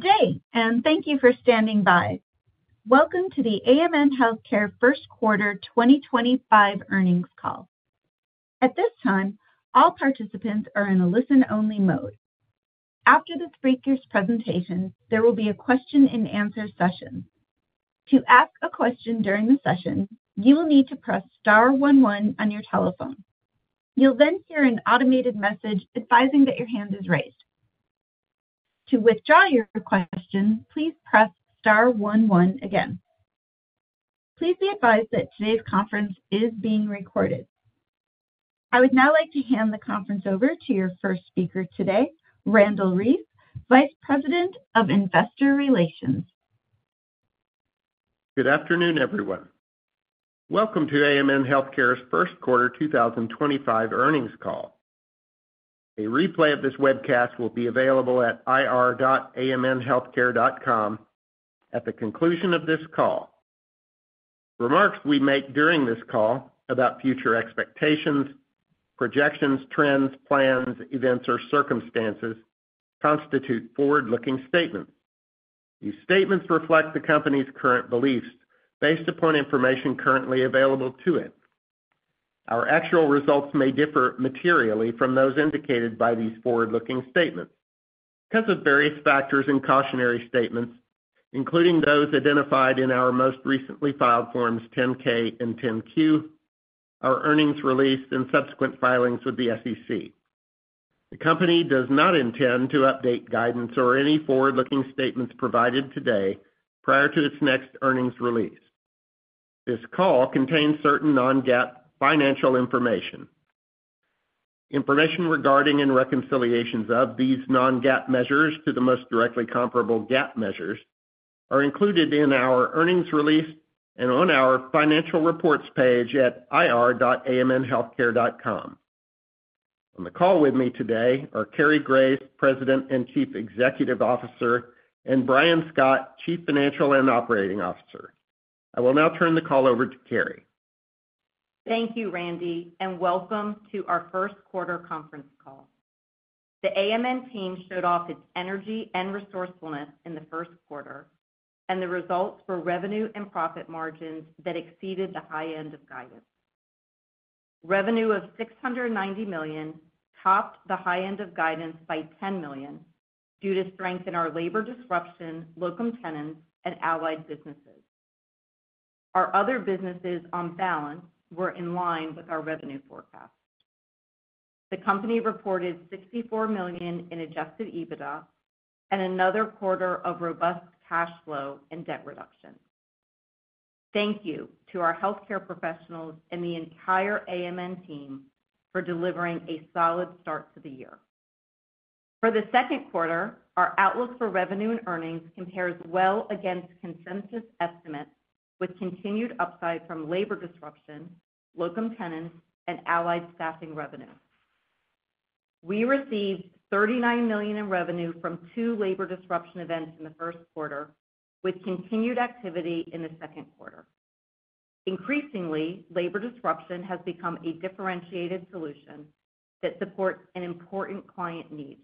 Today, and thank you for standing by. Welcome to the AMN Healthcare First Quarter 2025 earnings call. At this time, all participants are in a listen-only mode. After this breaker's presentation, there will be a question-and-answer session. To ask a question during the session, you will need to press star 11 on your telephone. You'll then hear an automated message advising that your hand is raised. To withdraw your question, please press star 11 again. Please be advised that today's conference is being recorded. I would now like to hand the conference over to your first speaker today, Randle Reece, Vice President of Investor Relations. Good afternoon, everyone. Welcome to AMN Healthcare's First Quarter 2025 earnings call. A replay of this webcast will be available at ir.amnhealthcare.com at the conclusion of this call. Remarks we make during this call about future expectations, projections, trends, plans, events, or circumstances constitute forward-looking statements. These statements reflect the company's current beliefs based upon information currently available to it. Our actual results may differ materially from those indicated by these forward-looking statements because of various factors and cautionary statements, including those identified in our most recently filed Forms 10-K and 10-Q, our earnings release, and subsequent filings with the SEC. The company does not intend to update guidance or any forward-looking statements provided today prior to its next earnings release. This call contains certain non-GAAP financial information. Information regarding and reconciliations of these non-GAAP measures to the most directly comparable GAAP measures are included in our earnings release and on our financial reports page at ir.amnhealthcare.com. On the call with me today are Cary Grace, President and Chief Executive Officer, and Brian Scott, Chief Financial and Operating Officer. I will now turn the call over to Cary. Thank you, Randy, and welcome to our first quarter conference call. The AMN team showed off its energy and resourcefulness in the First Quarter, and the results for revenue and profit margins that exceeded the high end of guidance. Revenue of $690 million topped the high end of guidance by $10 million due to strength in our labor disruption, locum tenens, and allied businesses. Our other businesses on balance were in line with our revenue forecast. The company reported $64 million in adjusted EBITDA and another quarter of robust cash flow and debt reduction. Thank you to our healthcare professionals and the entire AMN team for delivering a solid start to the year. For the Second Quarter, our outlook for revenue and earnings compares well against consensus estimates with continued upside from labor disruption, locum tenens, and allied staffing revenue. We received $39 million in revenue from two labor disruption events in the first quarter, with continued activity in the Second Quarter. Increasingly, labor disruption has become a differentiated solution that supports an important client need.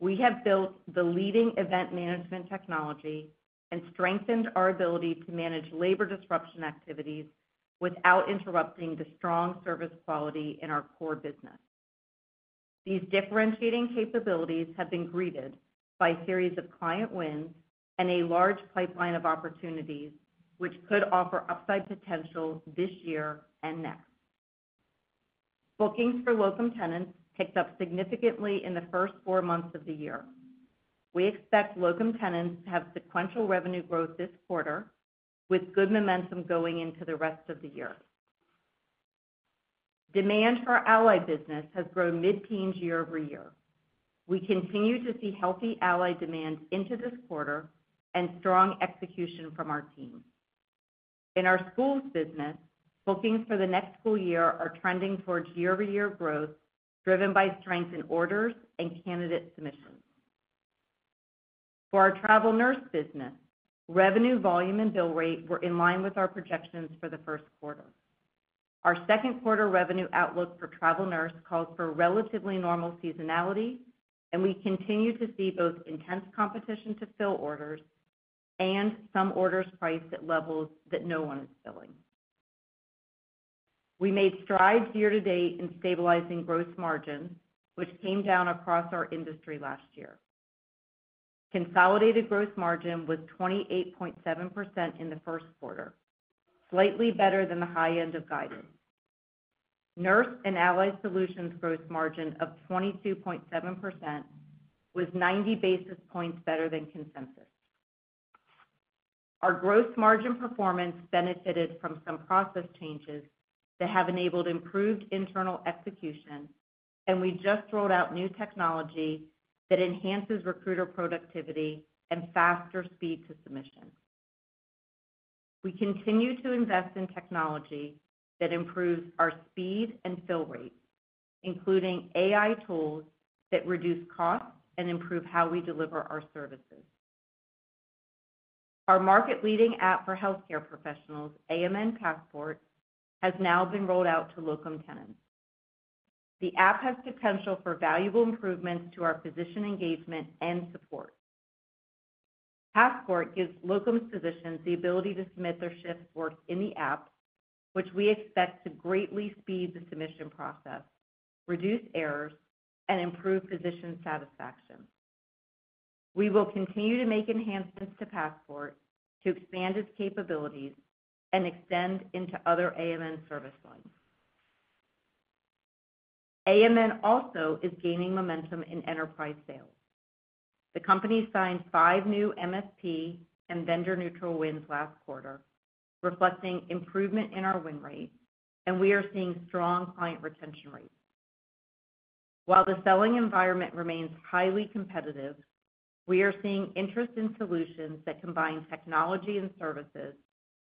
We have built the leading event management technology and strengthened our ability to manage labor disruption activities without interrupting the strong service quality in our core business. These differentiating capabilities have been greeted by a series of client wins and a large pipeline of opportunities, which could offer upside potential this year and next. Bookings for locum tenens picked up significantly in the first four months of the year. We expect locum tenens to have sequential revenue growth this quarter, with good momentum going into the rest of the year. Demand for allied business has grown mid-teens year over year. We continue to see healthy allied demand into this quarter and strong execution from our team. In our schools business, bookings for the next school year are trending towards year-over-year growth driven by strength in orders and candidate submissions. For our travel nurse business, revenue volume and bill rate were in line with our projections for the First Quarter. Our Second Quarter revenue outlook for travel nurse calls for relatively normal seasonality, and we continue to see both intense competition to fill orders and some orders priced at levels that no one is filling. We made strides year to date in stabilizing gross margins, which came down across our industry last year. Consolidated gross margin was 28.7% in the first quarter, slightly better than the high end of guidance. Nurse and Allied Solutions gross margin of 22.7% was 90 basis points better than consensus. Our gross margin performance benefited from some process changes that have enabled improved internal execution, and we just rolled out new technology that enhances recruiter productivity and faster speed to submission. We continue to invest in technology that improves our speed and fill rate, including AI tools that reduce costs and improve how we deliver our services. Our market-leading app for healthcare professionals, AMN Passport, has now been rolled out to locum tenens. The app has potential for valuable improvements to our physician engagement and support. Passport gives locum physicians the ability to submit their shift work in the app, which we expect to greatly speed the submission process, reduce errors, and improve physician satisfaction. We will continue to make enhancements to Passport to expand its capabilities and extend into other AMN service lines. AMN also is gaining momentum in enterprise sales. The company signed five new MSP and vendor-neutral wins last quarter, reflecting improvement in our win rate, and we are seeing strong client retention rates. While the selling environment remains highly competitive, we are seeing interest in solutions that combine technology and services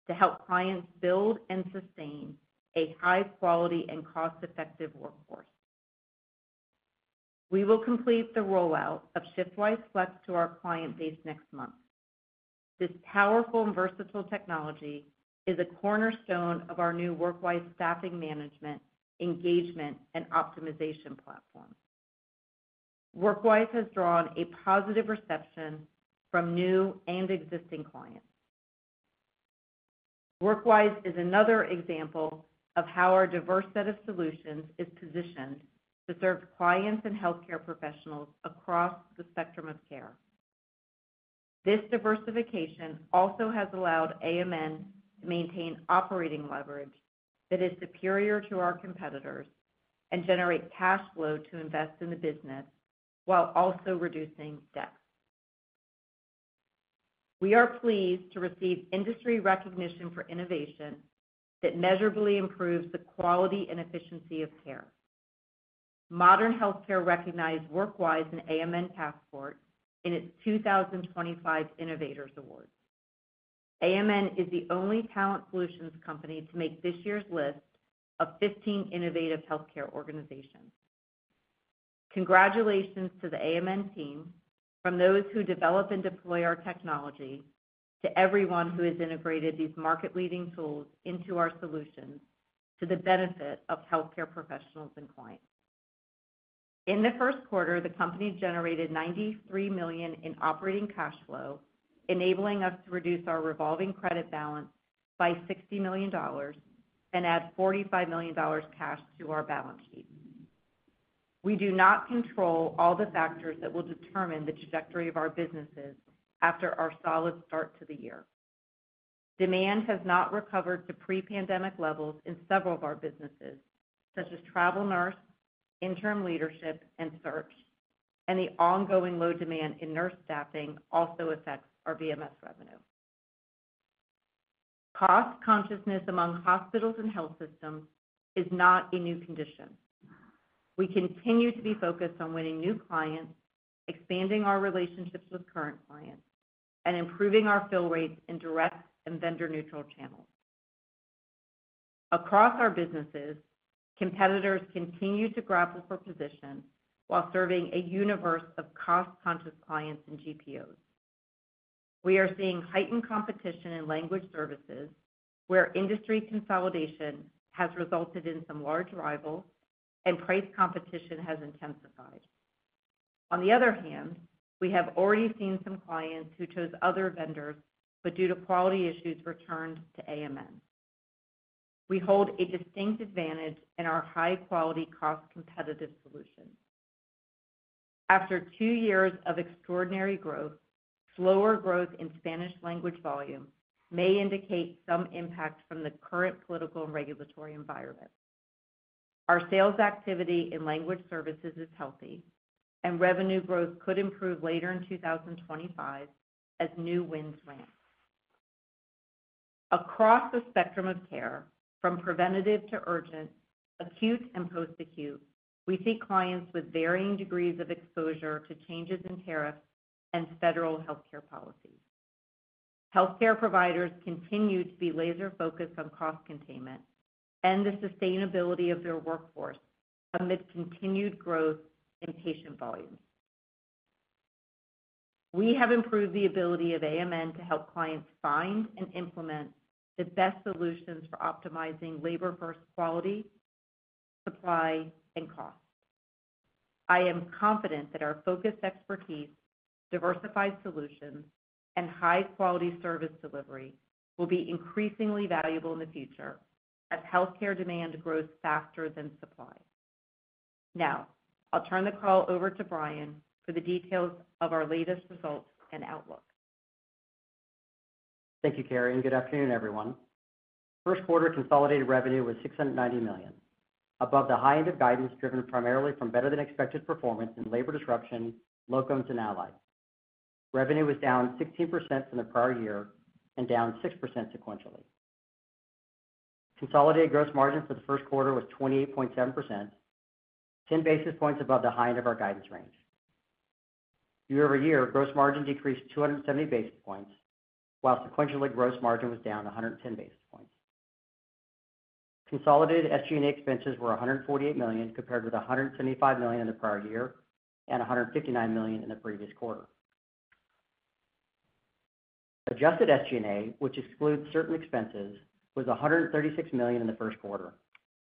to help clients build and sustain a high-quality and cost-effective workforce. We will complete the rollout of ShiftWise Flex to our client base next month. This powerful and versatile technology is a cornerstone of our new WorkWise staffing management, engagement, and optimization platform. WorkWise has drawn a positive reception from new and existing clients. WorkWise is another example of how our diverse set of solutions is positioned to serve clients and healthcare professionals across the spectrum of care. This diversification also has allowed AMN to maintain operating leverage that is superior to our competitors and generate cash flow to invest in the business while also reducing debt. We are pleased to receive industry recognition for innovation that measurably improves the quality and efficiency of care. Modern Healthcare recognized WorkWise and AMN Passport in its 2025 Innovators Award. AMN is the only talent solutions company to make this year's list of 15 innovative healthcare organizations. Congratulations to the AMN team, from those who develop and deploy our technology to everyone who has integrated these market-leading tools into our solutions to the benefit of healthcare professionals and clients. In the First Quarter, the company generated $93 million in operating cash flow, enabling us to reduce our revolving credit balance by $60 million and add $45 million cash to our balance sheet. We do not control all the factors that will determine the trajectory of our businesses after our solid start to the year. Demand has not recovered to pre-pandemic levels in several of our businesses, such as travel nurse, interim leadership, and search, and the ongoing low demand in nurse staffing also affects our VMS revenue. Cost consciousness among hospitals and health systems is not a new condition. We continue to be focused on winning new clients, expanding our relationships with current clients, and improving our fill rates in direct and vendor-neutral channels. Across our businesses, competitors continue to grapple for position while serving a universe of cost-conscious clients and GPOs. We are seeing heightened competition in language services, where industry consolidation has resulted in some large rivals, and price competition has intensified. On the other hand, we have already seen some clients who chose other vendors but, due to quality issues, returned to AMN. We hold a distinct advantage in our high-quality, cost-competitive solutions. After two years of extraordinary growth, slower growth in Spanish language volume may indicate some impact from the current political and regulatory environment. Our sales activity in language services is healthy, and revenue growth could improve later in 2025 as new winds ramp. Across the spectrum of care, from preventative to urgent, acute, and post-acute, we see clients with varying degrees of exposure to changes in tariffs and federal healthcare policies. Healthcare providers continue to be laser-focused on cost containment and the sustainability of their workforce amid continued growth in patient volumes. We have improved the ability of AMN to help clients find and implement the best solutions for optimizing labor-first quality, supply, and cost. I am confident that our focused expertise, diversified solutions, and high-quality service delivery will be increasingly valuable in the future as healthcare demand grows faster than supply. Now, I'll turn the call over to Brian for the details of our latest results and outlook. Thank you, Cary, and good afternoon, everyone. First quarter consolidated revenue was $690 million, above the high end of guidance driven primarily from better-than-expected performance in labor disruption, locums, and allies. Revenue was down 16% from the prior year and down 6% sequentially. Consolidated gross margin for the First Quarter was 28.7%, 10 basis points above the high end of our guidance range. Year-over-year, gross margin decreased 270 basis points, while sequentially gross margin was down 110 basis points. Consolidated SG&A expenses were $148 million compared with $175 million in the prior year and $159 million in the previous quarter. Adjusted SG&A, which excludes certain expenses, was $136 million in the First Quarter,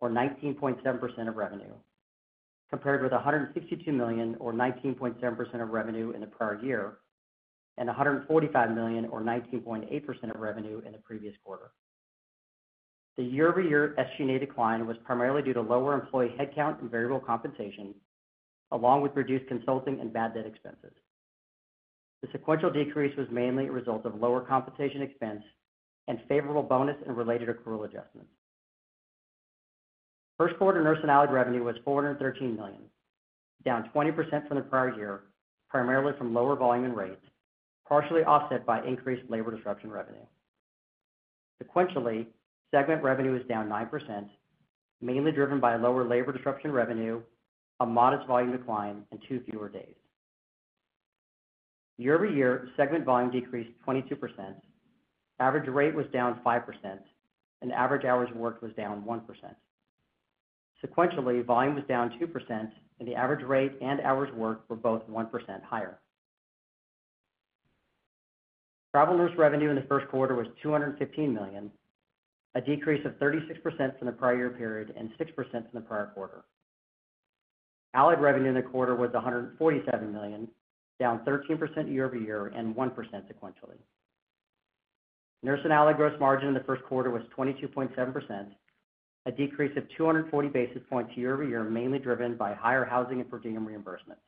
or 19.7% of revenue, compared with $162 million, or 19.7% of revenue in the prior year, and $145 million, or 19.8% of revenue in the previous quarter. The year-over-year SG&A decline was primarily due to lower employee headcount and variable compensation, along with reduced consulting and bad debt expenses. The sequential decrease was mainly a result of lower compensation expense and favorable bonus and related accrual adjustments. First quarter nurse and allied revenue was $413 million, down 20% from the prior year, primarily from lower volume and rates, partially offset by increased labor disruption revenue. Sequentially, segment revenue was down 9%, mainly driven by lower labor disruption revenue, a modest volume decline, and two fewer days. Year-over-year, segment volume decreased 22%. Average rate was down 5%, and average hours worked was down 1%. Sequentially, volume was down 2%, and the average rate and hours worked were both 1% higher. Travel nurse revenue in the First Quarter was $215 million, a decrease of 36% from the prior year period and 6% from the prior quarter. Allied revenue in the quarter was $147 million, down 13% year-over-year and 1% sequentially. Nurse and allied gross margin in the First Quarter was 22.7%, a decrease of 240 basis points year-over-year, mainly driven by higher housing and per diem reimbursements.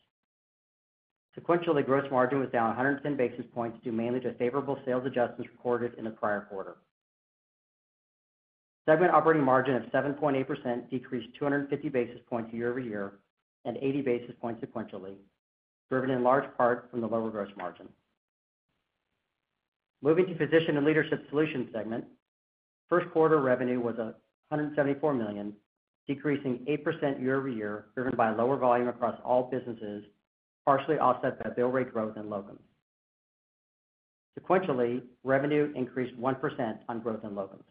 Sequentially, gross margin was down 110 basis points due mainly to favorable sales adjustments recorded in the prior quarter. Segment operating margin of 7.8% decreased 250 basis points year-over-year and 80 basis points sequentially, driven in large part from the lower gross margin. Moving to Physician and Leadership Solutions segment, First Quarter revenue was $174 million, decreasing 8% year-over-year, driven by lower volume across all businesses, partially offset by bill rate growth and locums. Sequentially, revenue increased 1% on growth in locums.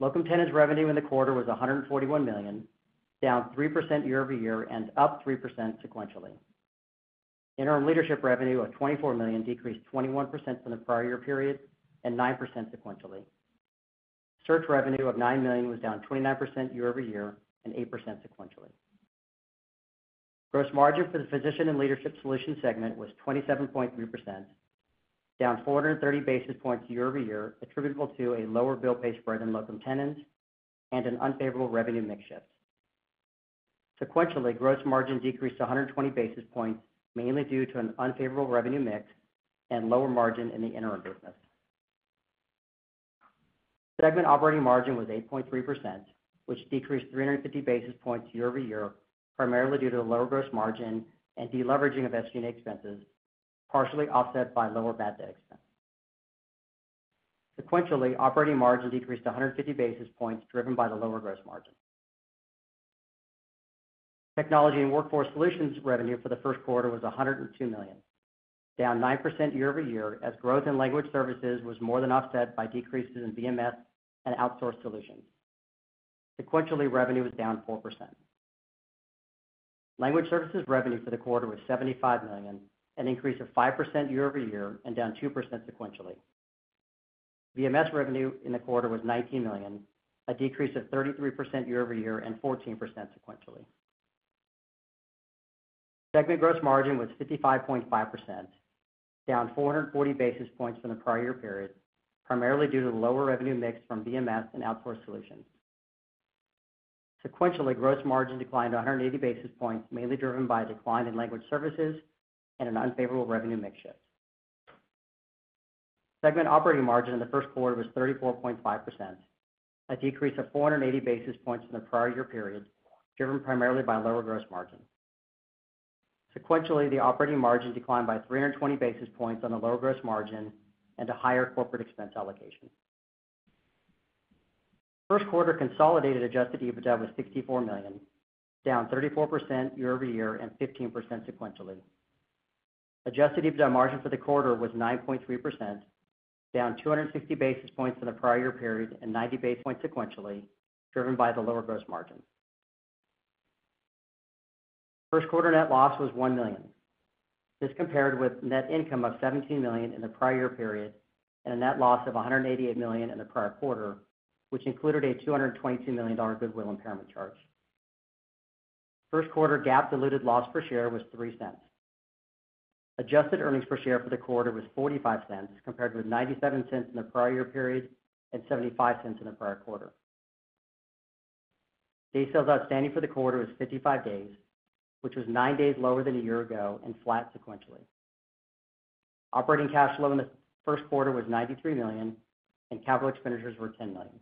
Locum tenens revenue in the quarter was $141 million, down 3% year-over-year and up 3% sequentially. Interim leadership revenue of $24 million decreased 21% from the prior year period and 9% sequentially. Search revenue of $9 million was down 29% year-over-year and 8% sequentially. Gross margin for the Physician and Leadership Solutions segment was 27.3%, down 430 basis points year-over-year, attributable to a lower bill pay spread in locum tenens and an unfavorable revenue mix shift. Sequentially, gross margin decreased 120 basis points, mainly due to an unfavorable revenue mix and lower margin in the interim business. Segment operating margin was 8.3%, which decreased 350 basis points year-over-year, primarily due to the lower gross margin and deleveraging of SG&A expenses, partially offset by lower bad debt expense. Sequentially, operating margin decreased 150 basis points, driven by the lower gross margin. Technology and Workforce Solutions revenue for the First Quarter was $102 million, down 9% year-over-year, as growth in language services was more than offset by decreases in VMS and outsourced solutions. Sequentially, revenue was down 4%. Language services revenue for the quarter was $75 million, an increase of 5% year-over-year and down 2% sequentially. VMS revenue in the quarter was $19 million, a decrease of 33% year-over-year and 14% sequentially. Segment gross margin was 55.5%, down 440 basis points from the prior year period, primarily due to the lower revenue mix from VMS and outsourced solutions. Sequentially, gross margin declined 180 basis points, mainly driven by a decline in language services and an unfavorable revenue mix shift. Segment operating margin in the First Quarter was 34.5%, a decrease of 480 basis points from the prior year period, driven primarily by lower gross margin. Sequentially, the operating margin declined by 320 basis points on the lower gross margin and a higher corporate expense allocation. First quarter consolidated adjusted EBITDA was $64 million, down 34% year-over-year and 15% sequentially. Adjusted EBITDA margin for the quarter was 9.3%, down 260 basis points from the prior year period and 90 basis points sequentially, driven by the lower gross margin. First quarter net loss was $1 million. This compared with net income of $17 million in the prior year period and a net loss of $188 million in the prior quarter, which included a $222 million goodwill impairment charge. First quarter GAAP-diluted loss per share was $0.03. Adjusted earnings per share for the quarter was $0.45, compared with $0.97 in the prior year period and $0.75 in the prior quarter. Day sales outstanding for the quarter was 55 days, which was 9 days lower than a year ago and flat sequentially. Operating cash flow in the First Quarter was $93 million, and capital expenditures were $10 million.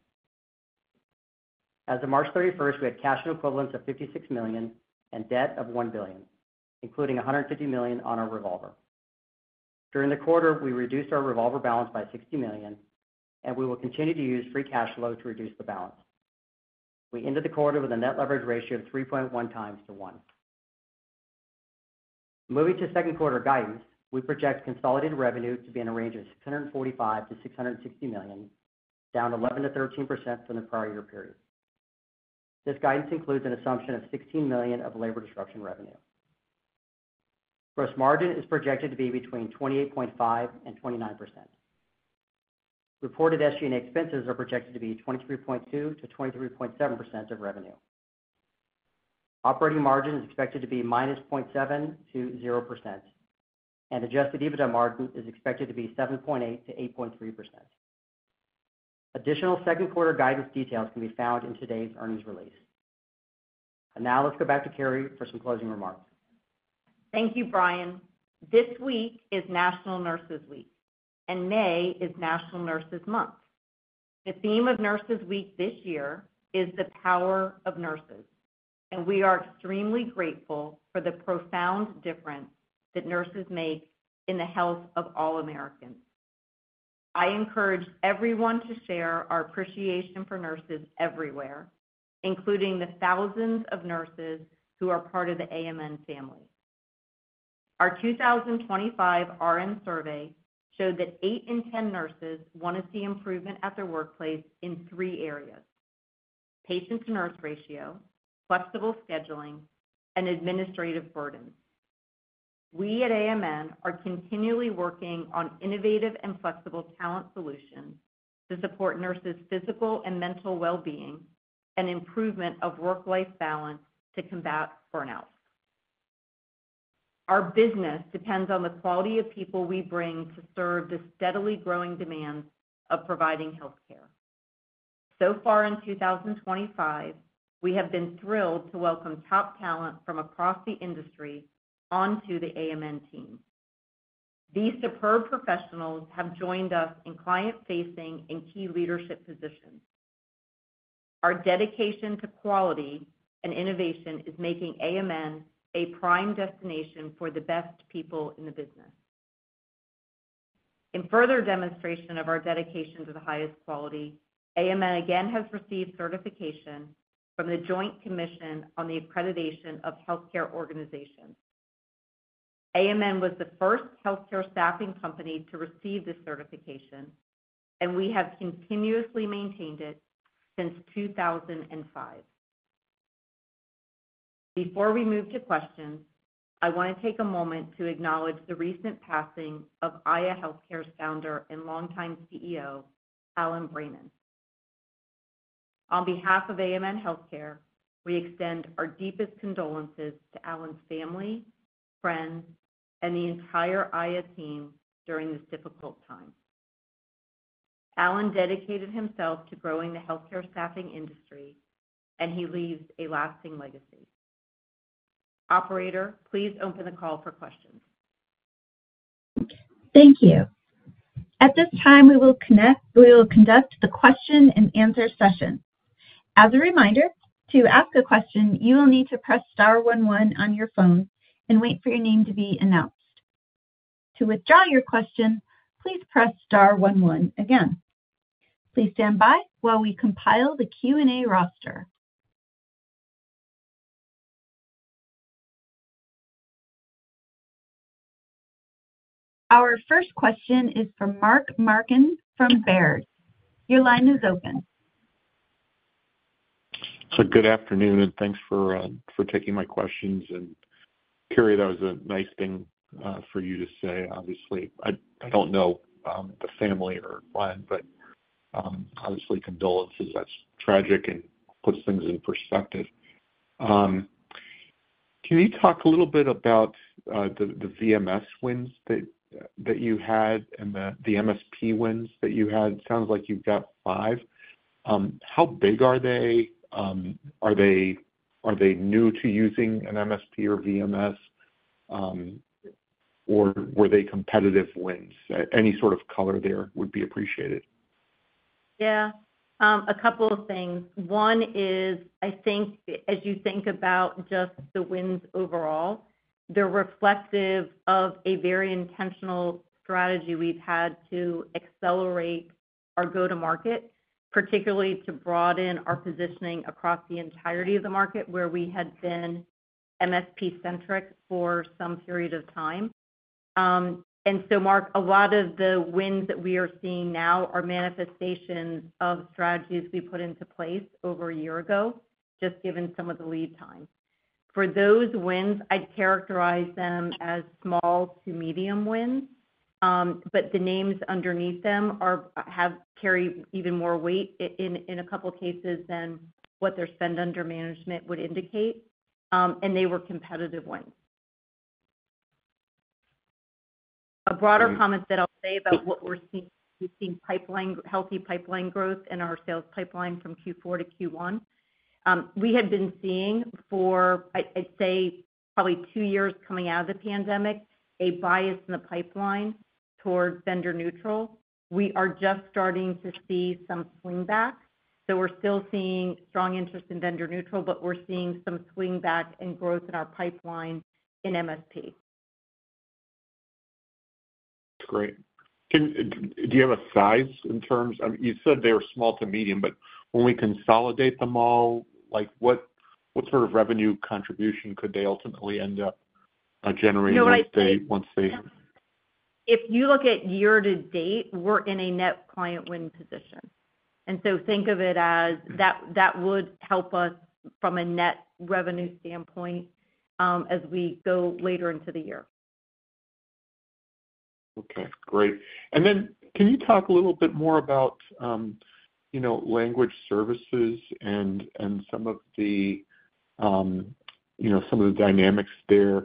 As of March 31, we had cash and equivalents of $56 million and debt of $1 billion, including $150 million on our revolver. During the quarter, we reduced our revolver balance by $60 million, and we will continue to use free cash flow to reduce the balance. We ended the quarter with a net leverage ratio of 3.1 times to 1. Moving to second quarter guidance, we project consolidated revenue to be in a range of $645-$660 million, down 11%-13% from the prior year period. This guidance includes an assumption of $16 million of labor disruption revenue. Gross margin is projected to be between 28.5%-29%. Reported SG&A expenses are projected to be 23.2%-23.7% of revenue. Operating margin is expected to be minus 0.7% to 0%, and adjusted EBITDA margin is expected to be 7.8%-8.3%. Additional Second Quarter guidance details can be found in today's earnings release. Let's go back to Cary for some closing remarks. Thank you, Brian. This week is National Nurses Week, and May is National Nurses Month. The theme of Nurses Week this year is the power of nurses, and we are extremely grateful for the profound difference that nurses make in the health of all Americans. I encourage everyone to share our appreciation for nurses everywhere, including the thousands of nurses who are part of the AMN family. Our 2025 RN survey showed that 8 in 10 nurses want to see improvement at their workplace in three areas: patient-to-nurse ratio, flexible scheduling, and administrative burden. We at AMN are continually working on innovative and flexible talent solutions to support nurses' physical and mental well-being and improvement of work-life balance to combat burnout. Our business depends on the quality of people we bring to serve the steadily growing demands of providing healthcare. So far in 2025, we have been thrilled to welcome top talent from across the industry onto the AMN team. These superb professionals have joined us in client-facing and key leadership positions. Our dedication to quality and innovation is making AMN a prime destination for the best people in the business. In further demonstration of our dedication to the highest quality, AMN again has received certification from the Joint Commission on the Accreditation of Healthcare Organizations. AMN was the first healthcare staffing company to receive this certification, and we have continuously maintained it since 2005. Before we move to questions, I want to take a moment to acknowledge the recent passing of AYA Healthcare's founder and longtime CEO, Alan Braynin. On behalf of AMN Healthcare, we extend our deepest condolences to Alan's family, friends, and the entire AYA team during this difficult time. Alan dedicated himself to growing the healthcare staffing industry, and he leaves a lasting legacy. Operator, please open the call for questions. Thank you. At this time, we will conduct the question-and-answer session. As a reminder, to ask a question, you will need to press star 1 1 on your phone and wait for your name to be announced. To withdraw your question, please press star 1 1 again. Please stand by while we compile the Q&A roster. Our first question is for Mark Marcon from Baird. Your line is open. Good afternoon, and thanks for taking my questions. Cary, that was a nice thing for you to say, obviously. I do not know the family or client, but obviously condolences, that is tragic and puts things in perspective. Can you talk a little bit about the VMS wins that you had and the MSP wins that you had? It sounds like you have got five. How big are they? Are they new to using an MSP or VMS, or were they competitive wins? Any sort of color there would be appreciated. Yeah. A couple of things. One is, I think, as you think about just the wins overall, they're reflective of a very intentional strategy we've had to accelerate our go-to-market, particularly to broaden our positioning across the entirety of the market where we had been MSP-centric for some period of time. Mark, a lot of the wins that we are seeing now are manifestations of strategies we put into place over a year ago, just given some of the lead time. For those wins, I'd characterize them as small to medium wins, but the names underneath them carry even more weight in a couple of cases than what their spend under management would indicate, and they were competitive wins. A broader comment that I'll say about what we're seeing is healthy pipeline growth in our sales pipeline from Q4 to Q1. We had been seeing for, I'd say, probably two years coming out of the pandemic, a bias in the pipeline toward vendor neutral. We are just starting to see some swing back. We are still seeing strong interest in vendor neutral, but we are seeing some swing back and growth in our pipeline in MSP. That's great. Do you have a size in terms? You said they were small to medium, but when we consolidate them all, what sort of revenue contribution could they ultimately end up generating once they? If you look at year to date, we're in a net client win position. Think of it as that would help us from a net revenue standpoint as we go later into the year. Okay. Great. Can you talk a little bit more about language services and some of the dynamics there?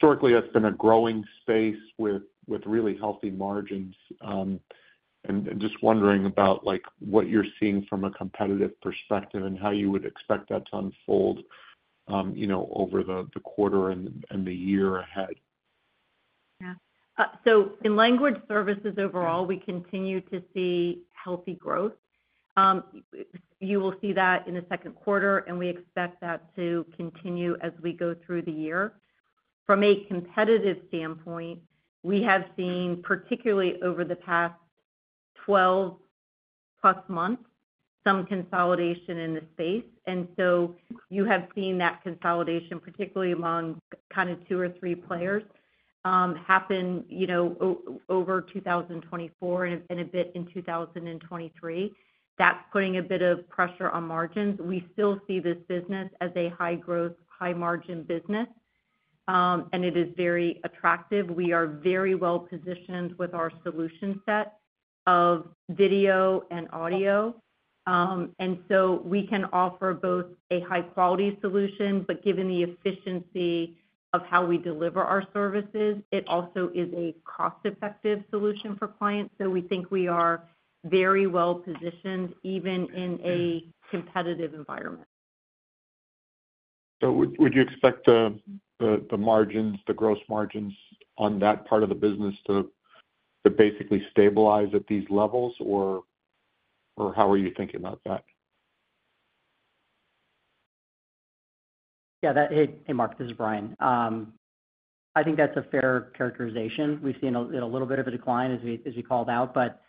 Historically, it's been a growing space with really healthy margins, and just wondering about what you're seeing from a competitive perspective and how you would expect that to unfold over the quarter and the year ahead. Yeah. In language services overall, we continue to see healthy growth. You will see that in the second quarter, and we expect that to continue as we go through the year. From a competitive standpoint, we have seen, particularly over the past 12-plus months, some consolidation in the space. You have seen that consolidation, particularly among kind of two or three players, happen over 2024 and a bit in 2023. That is putting a bit of pressure on margins. We still see this business as a high-growth, high-margin business, and it is very attractive. We are very well-positioned with our solution set of video and audio. We can offer both a high-quality solution, but given the efficiency of how we deliver our services, it also is a cost-effective solution for clients. We think we are very well-positioned even in a competitive environment. Would you expect the gross margins on that part of the business to basically stabilize at these levels, or how are you thinking about that? Yeah. Hey, Mark. This is Brian. I think that's a fair characterization. We've seen a little bit of a decline as we called out, but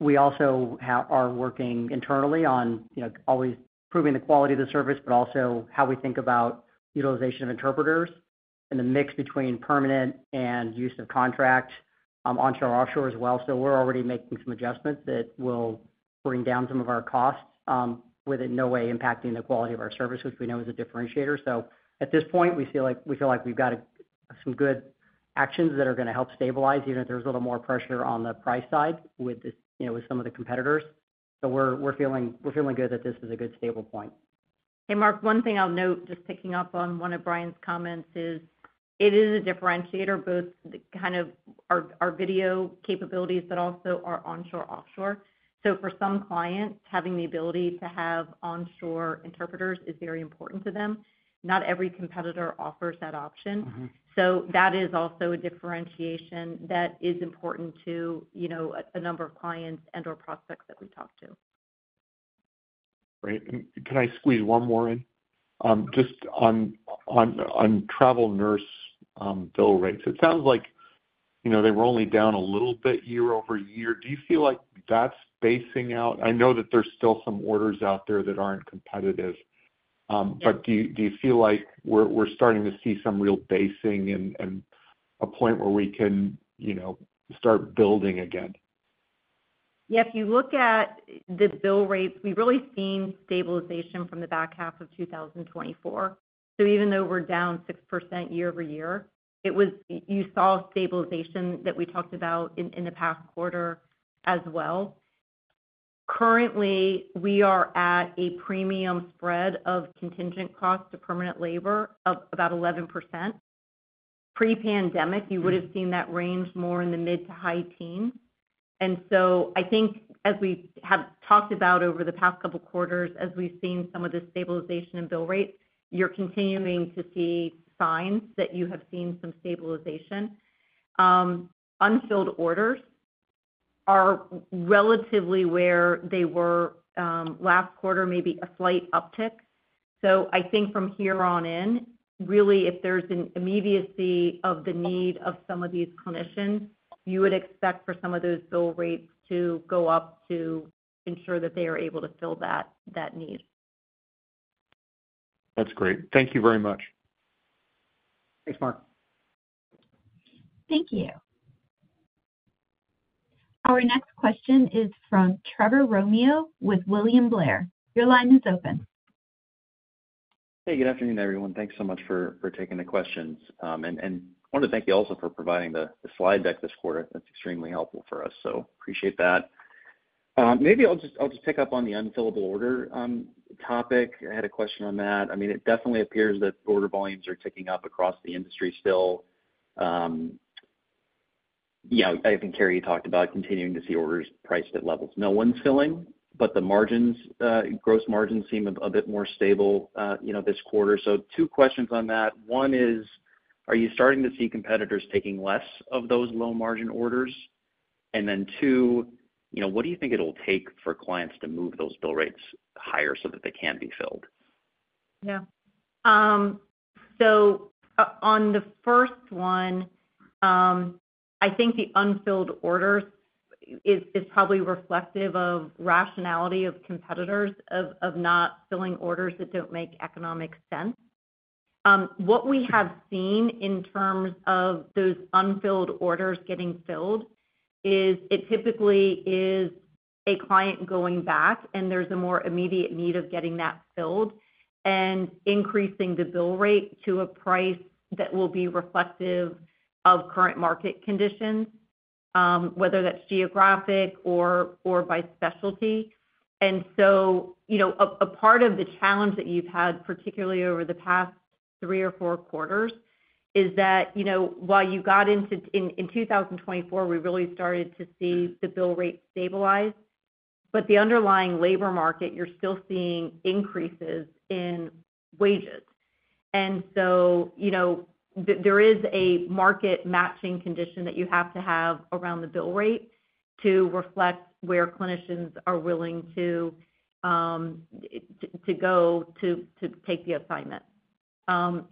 we also are working internally on always improving the quality of the service, but also how we think about utilization of interpreters and the mix between permanent and use of contract onshore and offshore as well. We are already making some adjustments that will bring down some of our costs with it, in no way impacting the quality of our service, which we know is a differentiator. At this point, we feel like we've got some good actions that are going to help stabilize, even if there's a little more pressure on the price side with some of the competitors. We are feeling good that this is a good stable point. Hey, Mark. One thing I'll note, just picking up on one of Brian's comments, is it is a differentiator, both kind of our video capabilities, but also our onshore/offshore. For some clients, having the ability to have onshore interpreters is very important to them. Not every competitor offers that option. That is also a differentiation that is important to a number of clients and/or prospects that we talk to. Great. Can I squeeze one more in? Just on travel nurse bill rates, it sounds like they were only down a little bit year over year. Do you feel like that's basing out? I know that there's still some orders out there that aren't competitive, but do you feel like we're starting to see some real basing and a point where we can start building again? Yeah. If you look at the bill rates, we've really seen stabilization from the back half of 2024. Even though we're down 6% year over year, you saw stabilization that we talked about in the past quarter as well. Currently, we are at a premium spread of contingent cost to permanent labor of about 11%. Pre-pandemic, you would have seen that range more in the mid to high teens. I think, as we have talked about over the past couple of quarters, as we've seen some of the stabilization in bill rates, you're continuing to see signs that you have seen some stabilization. Unfilled orders are relatively where they were last quarter, maybe a slight uptick. I think from here on in, really, if there's an immediacy of the need of some of these clinicians, you would expect for some of those bill rates to go up to ensure that they are able to fill that need. That's great. Thank you very much. Thanks, Mark. Thank you. Our next question is from Trevor Romeo with William Blair. Your line is open. Hey, good afternoon, everyone. Thanks so much for taking the questions. I want to thank you also for providing the slide deck this quarter. That's extremely helpful for us, so appreciate that. Maybe I'll just pick up on the unfillable order topic. I had a question on that. I mean, it definitely appears that order volumes are ticking up across the industry still. I think Cary talked about continuing to see orders priced at levels no one's filling, but the gross margins seem a bit more stable this quarter. Two questions on that. One is, are you starting to see competitors taking less of those low-margin orders? Then two, what do you think it'll take for clients to move those bill rates higher so that they can be filled? Yeah. On the first one, I think the unfilled orders is probably reflective of rationality of competitors of not filling orders that do not make economic sense. What we have seen in terms of those unfilled orders getting filled is it typically is a client going back, and there is a more immediate need of getting that filled and increasing the bill rate to a price that will be reflective of current market conditions, whether that is geographic or by specialty. A part of the challenge that you have had, particularly over the past three or four quarters, is that while you got into in 2024, we really started to see the bill rate stabilize, but the underlying labor market, you are still seeing increases in wages. There is a market-matching condition that you have to have around the bill rate to reflect where clinicians are willing to go to take the assignment.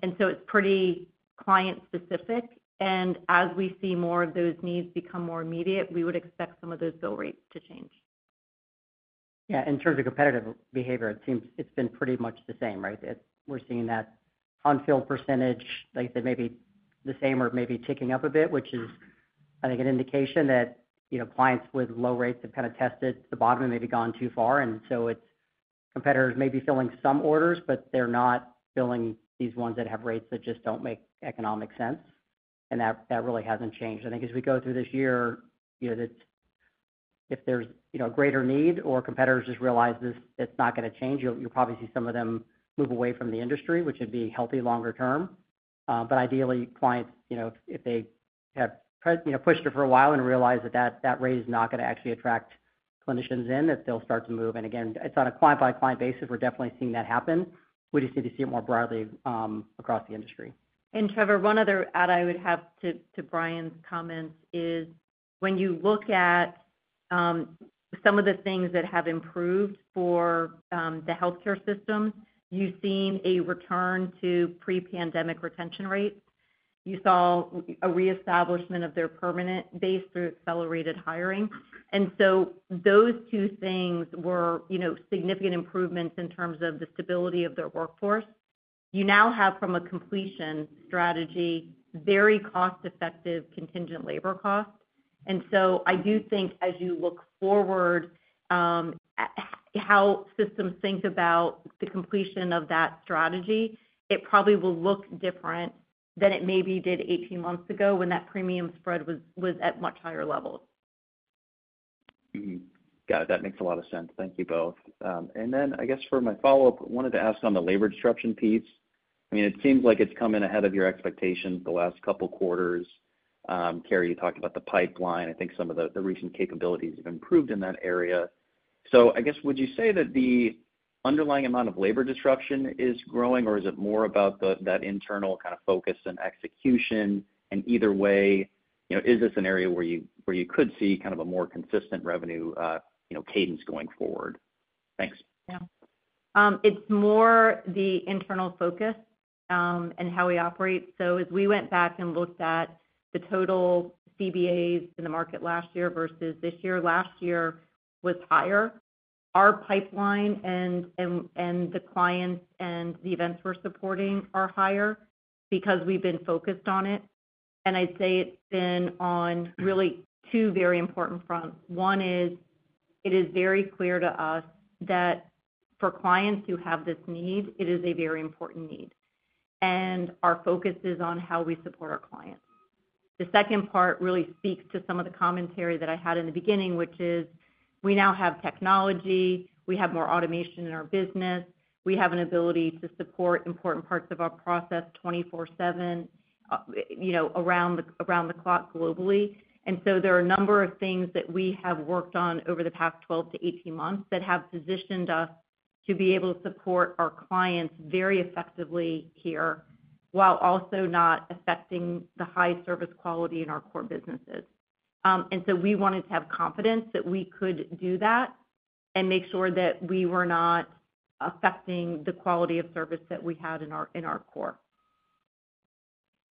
It is pretty client-specific. As we see more of those needs become more immediate, we would expect some of those bill rates to change. Yeah. In terms of competitive behavior, it's been pretty much the same, right? We're seeing that unfilled percentage, like I said, maybe the same or maybe ticking up a bit, which is, I think, an indication that clients with low rates have kind of tested the bottom and maybe gone too far. I think competitors may be filling some orders, but they're not filling these ones that have rates that just don't make economic sense. That really hasn't changed. I think as we go through this year, if there's a greater need or competitors just realize it's not going to change, you'll probably see some of them move away from the industry, which would be healthy longer term. Ideally, clients, if they have pushed it for a while and realize that that rate is not going to actually attract clinicians in, they'll start to move. It's on a client-by-client basis. We're definitely seeing that happen. We just need to see it more broadly across the industry. Trevor, one other add I would have to Brian's comments is when you look at some of the things that have improved for the healthcare system, you've seen a return to pre-pandemic retention rates. You saw a reestablishment of their permanent base through accelerated hiring. Those two things were significant improvements in terms of the stability of their workforce. You now have, from a completion strategy, very cost-effective contingent labor cost. I do think, as you look forward, how systems think about the completion of that strategy, it probably will look different than it maybe did 18 months ago when that premium spread was at much higher levels. Got it. That makes a lot of sense. Thank you both. For my follow-up, I wanted to ask on the labor disruption piece. I mean, it seems like it's come in ahead of your expectations the last couple of quarters. Cary, you talked about the pipeline. I think some of the recent capabilities have improved in that area. I guess, would you say that the underlying amount of labor disruption is growing, or is it more about that internal kind of focus and execution? Either way, is this an area where you could see kind of a more consistent revenue cadence going forward? Thanks. Yeah. It's more the internal focus and how we operate. As we went back and looked at the total CBAs in the market last year versus this year, last year was higher. Our pipeline and the clients and the events we're supporting are higher because we've been focused on it. I'd say it's been on really two very important fronts. One is it is very clear to us that for clients who have this need, it is a very important need. Our focus is on how we support our clients. The second part really speaks to some of the commentary that I had in the beginning, which is we now have technology. We have more automation in our business. We have an ability to support important parts of our process 24/7, around the clock globally. There are a number of things that we have worked on over the past 12 to 18 months that have positioned us to be able to support our clients very effectively here while also not affecting the high service quality in our core businesses. We wanted to have confidence that we could do that and make sure that we were not affecting the quality of service that we had in our core.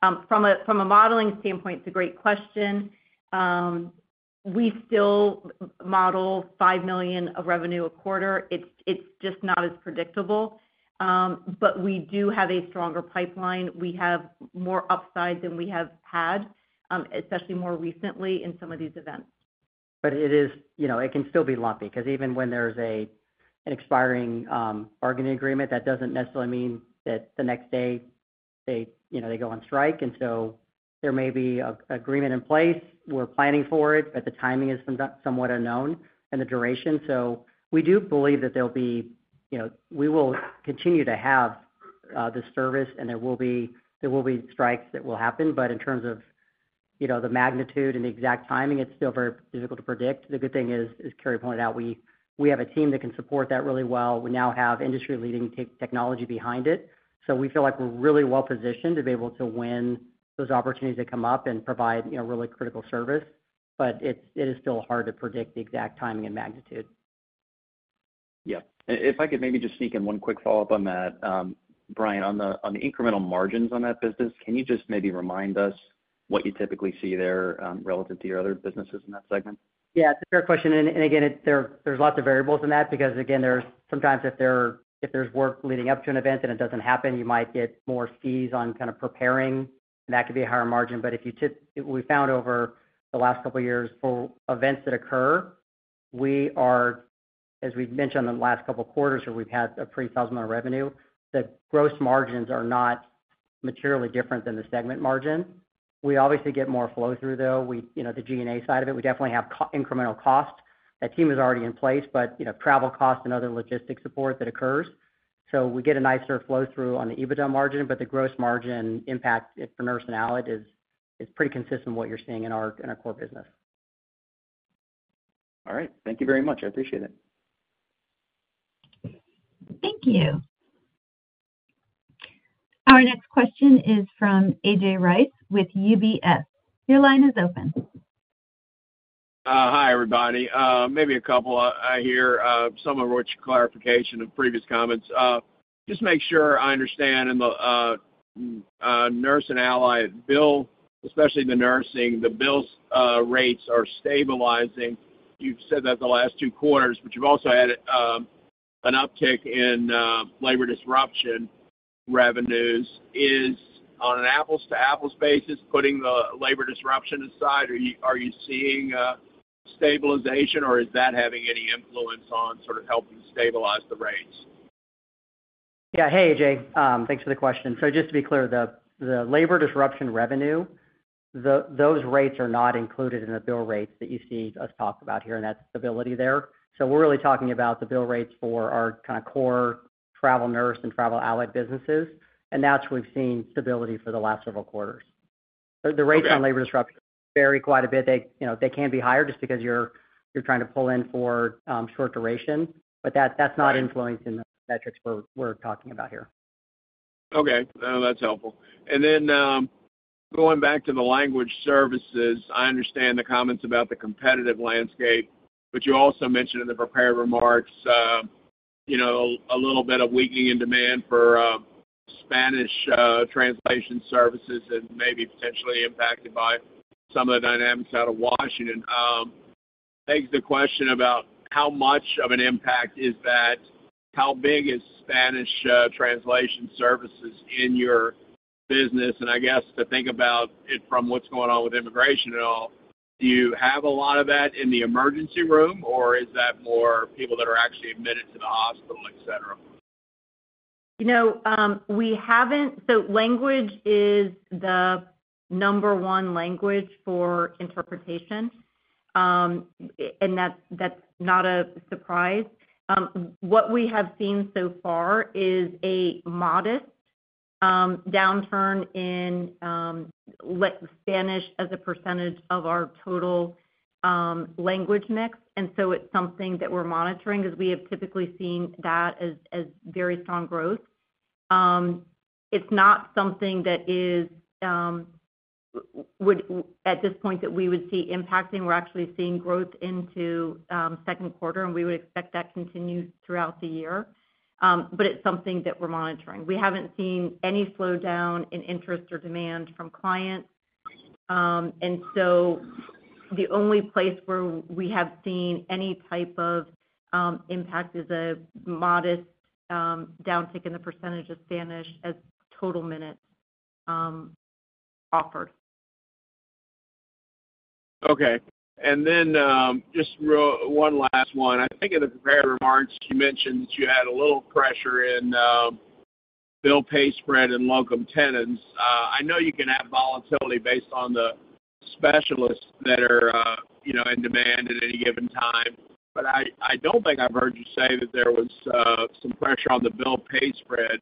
From a modeling standpoint, it's a great question. We still model $5 million of revenue a quarter. It's just not as predictable. We do have a stronger pipeline. We have more upside than we have had, especially more recently in some of these events. It can still be lumpy because even when there's an expiring bargaining agreement, that doesn't necessarily mean that the next day they go on strike. There may be an agreement in place. We're planning for it, but the timing is somewhat unknown and the duration. We do believe that we will continue to have the service, and there will be strikes that will happen. In terms of the magnitude and the exact timing, it's still very difficult to predict. The good thing is, as Cary pointed out, we have a team that can support that really well. We now have industry-leading technology behind it. We feel like we're really well-positioned to be able to win those opportunities that come up and provide really critical service. It is still hard to predict the exact timing and magnitude. Yeah. If I could maybe just sneak in one quick follow-up on that, Brian, on the incremental margins on that business, can you just maybe remind us what you typically see there relative to your other businesses in that segment? Yeah. It's a fair question. Again, there's lots of variables in that because, again, sometimes if there's work leading up to an event and it doesn't happen, you might get more fees on kind of preparing, and that could be a higher margin. We found over the last couple of years for events that occur, as we've mentioned in the last couple of quarters where we've had a pretty sizable amount of revenue, the gross margins are not materially different than the segment margin. We obviously get more flow-through, though. The G&A side of it, we definitely have incremental cost. That team is already in place, but travel costs and other logistics support that occurs. We get a nicer flow-through on the EBITDA margin, but the gross margin impact for Nurse and Allied is pretty consistent with what you're seeing in our core business. All right. Thank you very much. I appreciate it. Thank you. Our next question is from A.J. Rice with UBS. Your line is open. Hi, everybody. Maybe a couple. I hear some of what you clarification of previous comments. Just to make sure I understand, in the Nurse and Allied bill, especially the nursing, the bill rates are stabilizing. You've said that the last two quarters, but you've also had an uptick in labor disruption revenues. Is on an apples-to-apples basis, putting the labor disruption aside, are you seeing stabilization, or is that having any influence on sort of helping stabilize the rates? Yeah. Hey, A.J. Thanks for the question. Just to be clear, the labor disruption revenue, those rates are not included in the bill rates that you see us talk about here, and that's stability there. We're really talking about the bill rates for our kind of core travel nurse and travel allied businesses. That's where we've seen stability for the last several quarters. The rates on labor disruption vary quite a bit. They can be higher just because you're trying to pull in for short duration, but that's not influencing the metrics we're talking about here. Okay. That's helpful. Going back to the language services, I understand the comments about the competitive landscape, but you also mentioned in the prepared remarks a little bit of weakening in demand for Spanish translation services and maybe potentially impacted by some of the dynamics out of Washington. It begs the question about how much of an impact is that. How big is Spanish translation services in your business? I guess to think about it from what's going on with immigration and all, do you have a lot of that in the emergency room, or is that more people that are actually admitted to the hospital, etc.? We haven't. Language is the number one language for interpretation, and that's not a surprise. What we have seen so far is a modest downturn in Spanish as a percentage of our total language mix. It is something that we're monitoring because we have typically seen that as very strong growth. It's not something that is, at this point, that we would see impacting. We're actually seeing growth into second quarter, and we would expect that to continue throughout the year. It is something that we're monitoring. We haven't seen any slowdown in interest or demand from clients. The only place where we have seen any type of impact is a modest downtick in the percentage of Spanish as total minutes offered. Okay. And then just one last one. I think in the prepared remarks, you mentioned that you had a little pressure in bill pay spread and locum tenens. I know you can have volatility based on the specialists that are in demand at any given time, but I do not think I have heard you say that there was some pressure on the bill pay spread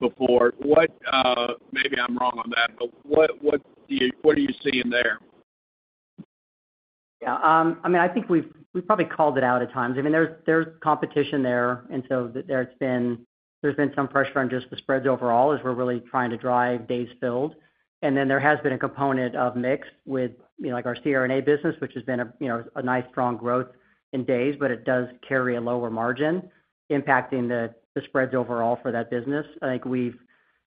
before. Maybe I am wrong on that, but what are you seeing there? Yeah. I mean, I think we've probably called it out at times. I mean, there's competition there. There's been some pressure on just the spreads overall as we're really trying to drive days filled. There has been a component of mix with our CRNA business, which has been a nice strong growth in days, but it does carry a lower margin impacting the spreads overall for that business. I think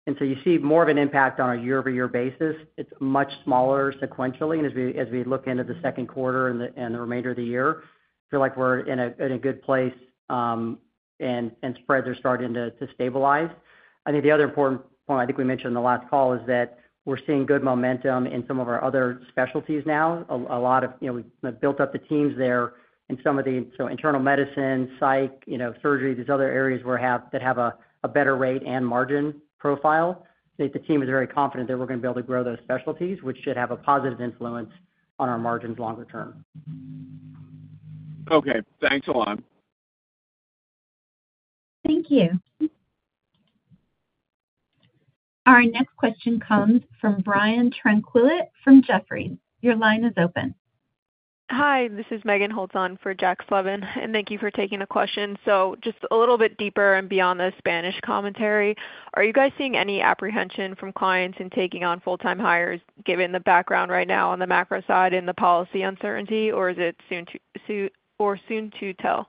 we've—and so you see more of an impact on a year-over-year basis. It's much smaller sequentially. As we look into the second quarter and the remainder of the year, I feel like we're in a good place and spreads are starting to stabilize. I think the other important point I think we mentioned in the last call is that we're seeing good momentum in some of our other specialties now. A lot of we've built up the teams there in some of the internal medicine, psych, surgery, these other areas that have a better rate and margin profile. I think the team is very confident that we're going to be able to grow those specialties, which should have a positive influence on our margins longer term. Okay. Thanks a lot. Thank you. Our next question comes from Brian Tranquilut from Jefferies. Your line is open. Hi. This is Meghan Holtz for Jack Sleven. Thank you for taking the question. Just a little bit deeper and beyond the Spanish commentary, are you guys seeing any apprehension from clients in taking on full-time hires given the background right now on the macro side and the policy uncertainty, or is it too soon to tell?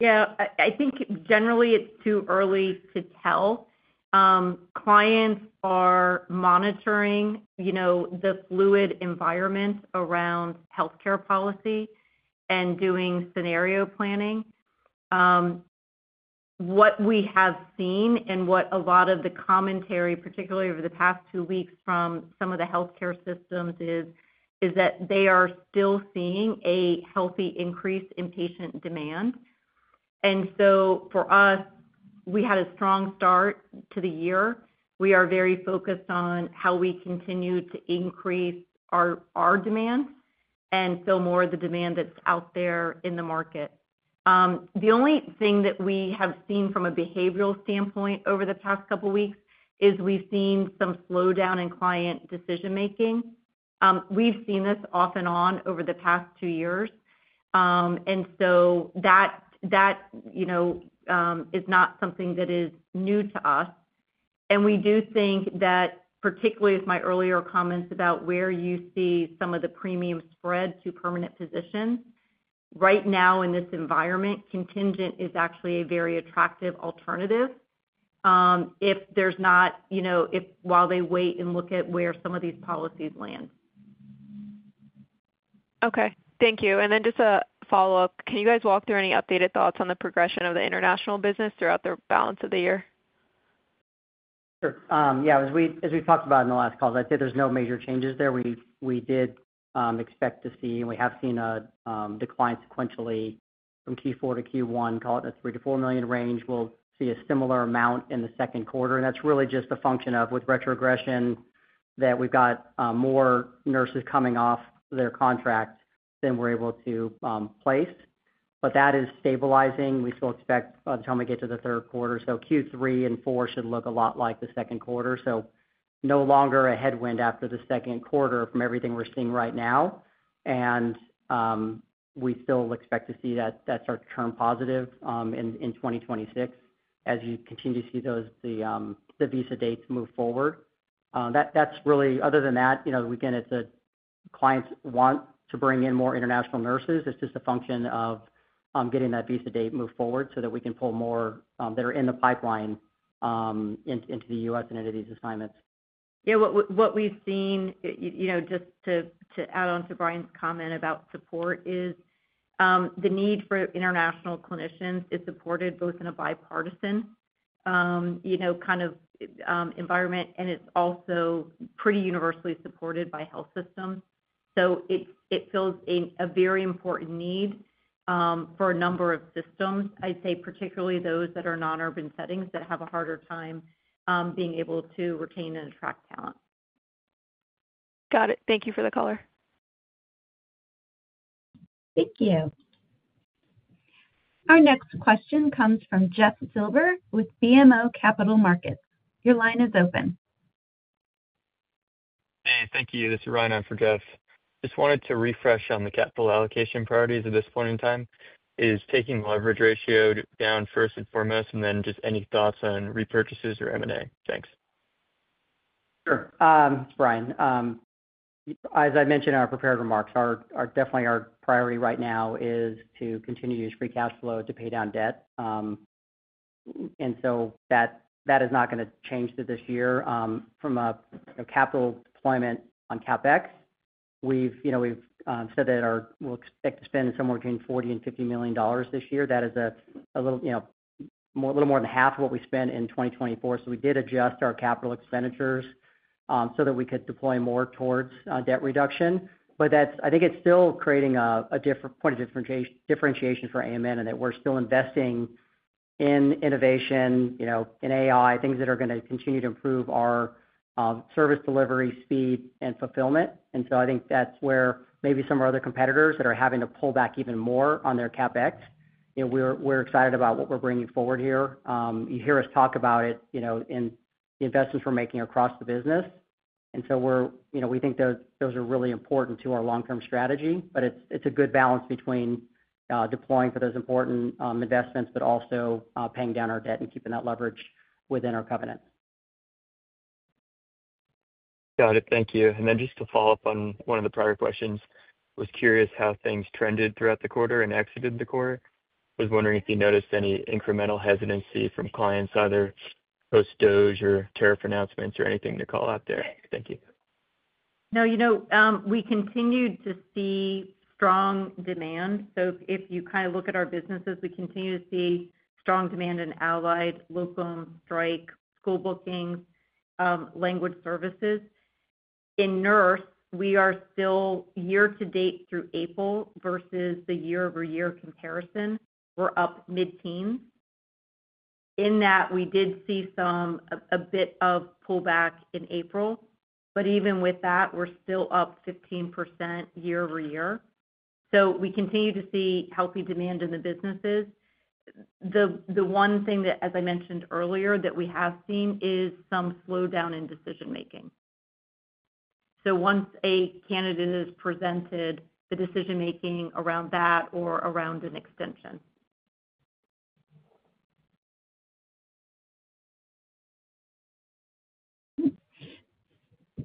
Yeah. I think generally it's too early to tell. Clients are monitoring the fluid environment around healthcare policy and doing scenario planning. What we have seen and what a lot of the commentary, particularly over the past two weeks from some of the healthcare systems, is that they are still seeing a healthy increase in patient demand. For us, we had a strong start to the year. We are very focused on how we continue to increase our demand and fill more of the demand that's out there in the market. The only thing that we have seen from a behavioral standpoint over the past couple of weeks is we've seen some slowdown in client decision-making. We've seen this off and on over the past two years. That is not something that is new to us. We do think that, particularly with my earlier comments about where you see some of the premium spread to permanent positions, right now in this environment, contingent is actually a very attractive alternative if there is not—if while they wait and look at where some of these policies land. Okay. Thank you. And then just a follow-up. Can you guys walk through any updated thoughts on the progression of the international business throughout the balance of the year? Sure. Yeah. As we talked about in the last call, I'd say there's no major changes there. We did expect to see—and we have seen—a decline sequentially from Q4 to Q1, call it the $3 million-$4 million range. We'll see a similar amount in the Second Quarter. That's really just a function of, with retrogression, that we've got more nurses coming off their contract than we're able to place. That is stabilizing. We still expect by the time we get to the Third Quarter. Q3 and Q4 should look a lot like the Second Quarter. No longer a headwind after the Second Quarter from everything we're seeing right now. We still expect to see that start to turn positive in 2026 as you continue to see the visa dates move forward. Other than that, again, clients want to bring in more international nurses. It's just a function of getting that visa date moved forward so that we can pull more that are in the pipeline into the U.S. and into these assignments. Yeah. What we've seen, just to add on to Brian's comment about support, is the need for international clinicians is supported both in a bipartisan kind of environment, and it's also pretty universally supported by health systems. It fills a very important need for a number of systems, I'd say, particularly those that are non-urban settings that have a harder time being able to retain and attract talent. Got it. Thank you for the caller. Thank you. Our next question comes from Jeff Silber with BMO Capital Markets. Your line is open. Hey. Thank you. This is Ryan for Jeff. Just wanted to refresh on the capital allocation priorities at this point in time. Is taking leverage ratio down first and foremost, and then just any thoughts on repurchases or M&A? Thanks. Sure. Brian, as I mentioned in our prepared remarks, definitely our priority right now is to continue to use free cash flow to pay down debt. That is not going to change this year. From a capital deployment on CapEx, we've said that we'll expect to spend somewhere between $40 million and $50 million this year. That is a little more than half of what we spent in 2024. We did adjust our capital expenditures so that we could deploy more towards debt reduction. I think it's still creating a point of differentiation for AMN in that we're still investing in innovation, in AI, things that are going to continue to improve our service delivery speed and fulfillment. I think that's where maybe some of our other competitors that are having to pull back even more on their CapEx, we're excited about what we're bringing forward here. You hear us talk about it in the investments we're making across the business. We think those are really important to our long-term strategy. It's a good balance between deploying for those important investments, but also paying down our debt and keeping that leverage within our covenants. Got it. Thank you. Just to follow up on one of the prior questions, I was curious how things trended throughout the quarter and exited the quarter. I was wondering if you noticed any incremental hesitancy from clients, either post-DOGE or tariff announcements or anything to call out there. Thank you. No. We continue to see strong demand. If you kind of look at our businesses, we continue to see strong demand in allied, locum, strike, school bookings, language services. In nurse, we are still year-to-date through April versus the year-over-year comparison. We're up mid-teens. In that, we did see a bit of pullback in April. Even with that, we're still up 15% year-over-year. We continue to see healthy demand in the businesses. The one thing that, as I mentioned earlier, that we have seen is some slowdown in decision-making. Once a candidate is presented, the decision-making around that or around an extension.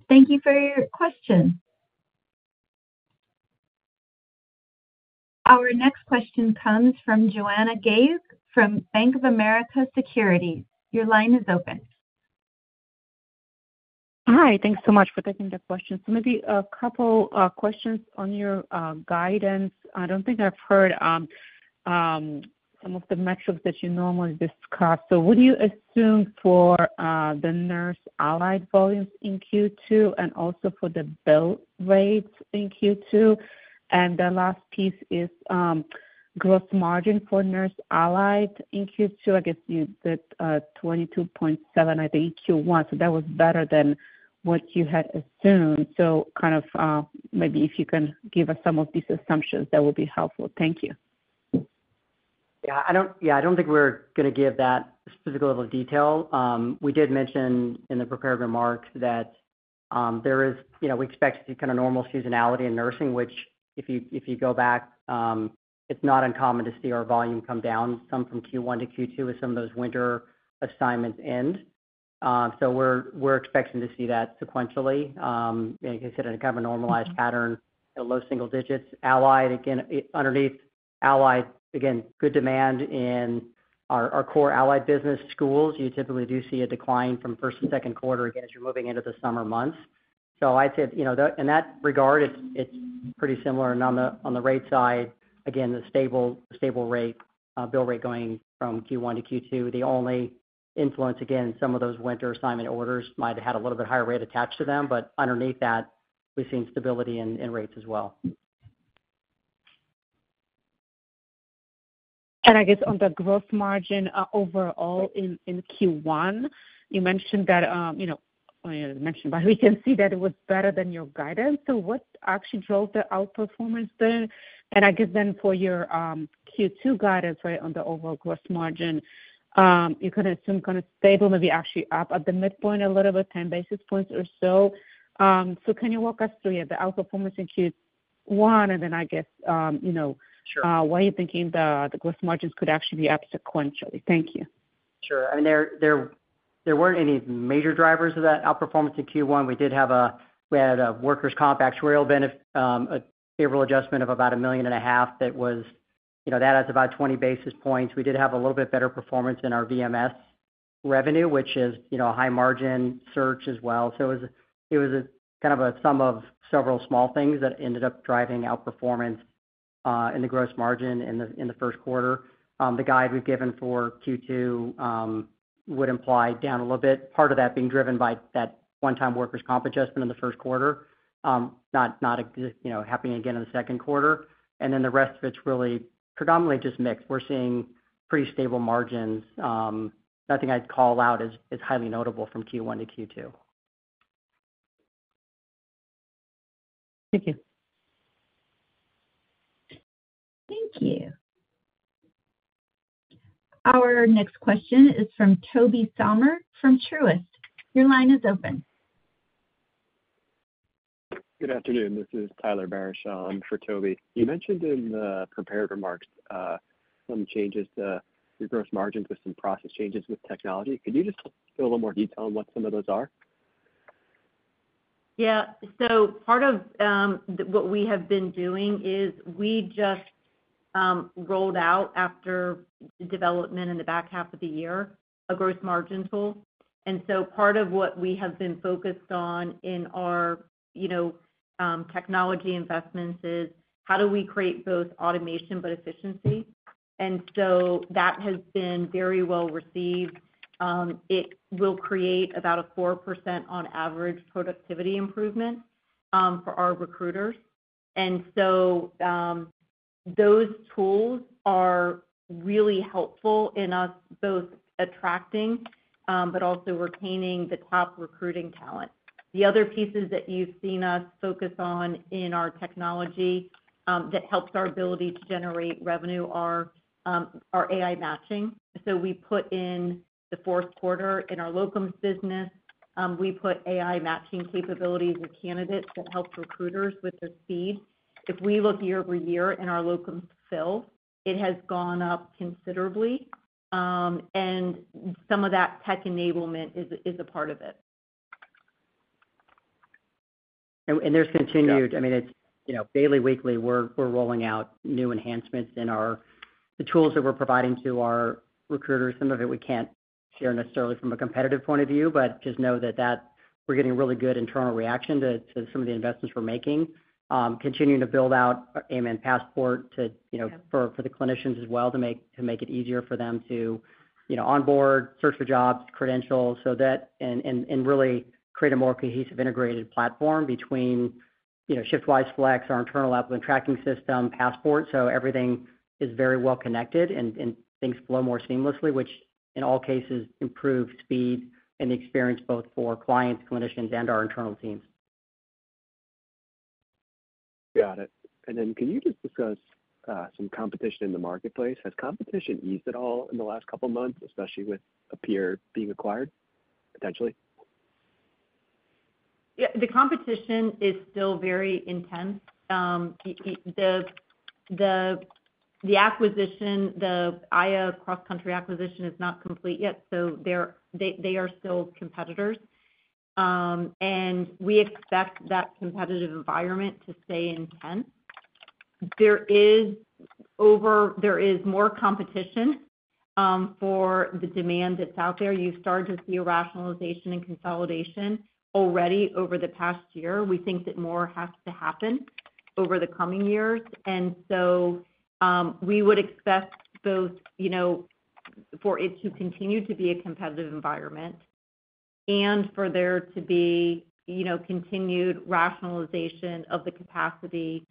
Thank you for your question. Our next question comes from Joanna Gajuk from Bank of America Security. Your line is open. Hi. Thanks so much for taking the question. Maybe a couple of questions on your guidance. I do not think I have heard some of the metrics that you normally discuss. What do you assume for the nurse and allied volumes in Q2 and also for the bill rates in Q2? The last piece is gross margin for nurse and allied in Q2. I guess you did 22.7%, I think, in Q1. That was better than what you had assumed. Maybe if you can give us some of these assumptions, that would be helpful. Thank you. Yeah. I don't think we're going to give that specific level of detail. We did mention in the prepared remark that there is, we expect to see kind of normal seasonality in nursing, which if you go back, it's not uncommon to see our volume come down some from Q1 to Q2 as some of those winter assignments end. We're expecting to see that sequentially. Like I said, in a kind of a normalized pattern, low single digits. Allied, again, underneath allied, again, good demand in our core allied business. Schools, you typically do see a decline from first to second quarter, again, as you're moving into the summer months. I'd say in that regard, it's pretty similar. On the rate side, again, the stable rate, bill rate going from Q1 to Q2, the only influence, again, some of those winter assignment orders might have had a little bit higher rate attached to them. Underneath that, we've seen stability in rates as well. I guess on the gross margin overall in Q1, you mentioned that—oh, I did not mention it, but we can see that it was better than your guidance. What actually drove the outperformance there? I guess then for your Q2 guidance, right, on the overall gross margin, you kind of assumed kind of stable, maybe actually up at the midpoint a little bit, 10 basis points or so. Can you walk us through the outperformance in Q1? I guess why you are thinking the gross margins could actually be up sequentially? Thank you. Sure. I mean, there were not any major drivers of that outperformance in Q1. We had a workers' comp actuarial benefit, a favorable adjustment of about $1.5 million that has about 20 basis points. We did have a little bit better performance in our VMS revenue, which is a high-margin search as well. It was kind of a sum of several small things that ended up driving outperformance in the gross margin in the First Quarter. The guide we have given for Q2 would imply down a little bit, part of that being driven by that one-time workers' comp adjustment in the First Quarter, not happening again in the Second Quarter. The rest of it is really predominantly just mix. We are seeing pretty stable margins. Nothing I would call out as highly notable from Q1 to Q2. Thank you. Thank you. Our next question is from Tobey Sommer from Truist. Your line is open. Good afternoon. This is Tyler Barishaw for Tobey. You mentioned in the prepared remarks some changes to your gross margins with some process changes with technology. Could you just go into a little more detail on what some of those are? Yeah. Part of what we have been doing is we just rolled out, after development in the back half of the year, a gross margin tool. Part of what we have been focused on in our technology investments is how do we create both automation but efficiency? That has been very well received. It will create about a 4% on average productivity improvement for our recruiters. Those tools are really helpful in us both attracting but also retaining the top recruiting talent. The other pieces that you have seen us focus on in our technology that helps our ability to generate revenue are our AI matching. We put in the Fourth Quarter in our locum business, we put AI matching capabilities with candidates that help recruiters with their speed. If we look year-over-year in our locum fill, it has gone up considerably. Some of that tech enablement is a part of it. There is continued—I mean, it is daily, weekly. We are rolling out new enhancements in the tools that we are providing to our recruiters. Some of it we cannot share necessarily from a competitive point of view, but just know that we are getting really good internal reaction to some of the investments we are making. Continuing to build out AMN Passport for the clinicians as well to make it easier for them to onboard, search for jobs, credentials, and really create a more cohesive integrated platform between ShiftWise Flex, our internal applicant tracking system, Passport. Everything is very well connected and things flow more seamlessly, which in all cases improves speed and the experience both for clients, clinicians, and our internal teams. Got it. Can you just discuss some competition in the marketplace? Has competition eased at all in the last couple of months, especially with a peer being acquired potentially? Yeah. The competition is still very intense. The acquisition, the AYA Healthcare Cross Country Healthcare acquisition is not complete yet. They are still competitors. We expect that competitive environment to stay intense. There is more competition for the demand that's out there. You start to see a rationalization and consolidation already over the past year. We think that more has to happen over the coming years. We would expect both for it to continue to be a competitive environment and for there to be continued rationalization of the capacity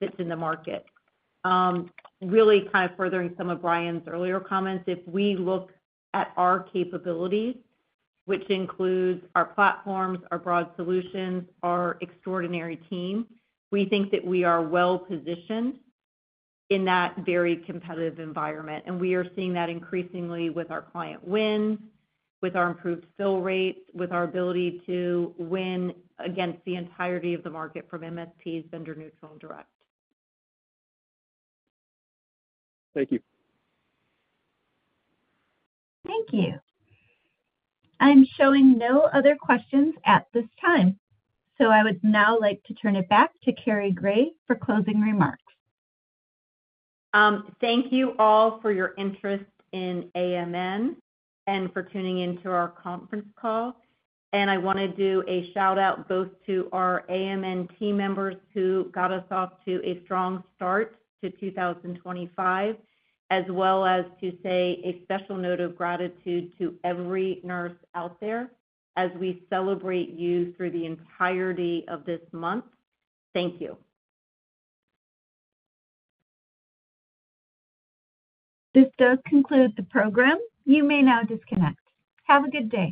that's in the market. Really kind of furthering some of Brian's earlier comments, if we look at our capabilities, which includes our platforms, our broad solutions, our extraordinary team, we think that we are well-positioned in that very competitive environment. We are seeing that increasingly with our client wins, with our improved fill rates, with our ability to win against the entirety of the market from MSPs, vendor neutral, and direct. Thank you. Thank you. I'm showing no other questions at this time. So I would now like to turn it back to Cary Grace for closing remarks. Thank you all for your interest in AMN and for tuning into our conference call. I want to do a shout-out both to our AMN team members who got us off to a strong start to 2025, as well as to say a special note of gratitude to every nurse out there as we celebrate you through the entirety of this month. Thank you. This does conclude the program. You may now disconnect. Have a good day.